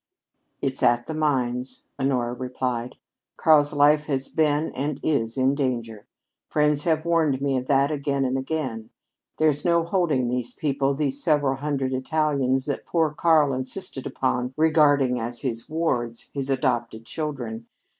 "It's at the mines," Honora replied. "Karl's life has been and is in danger. Friends have warned me of that again and again. There's no holding these people these several hundred Italians that poor Karl insisted upon regarding as his wards, his 'adopted children.'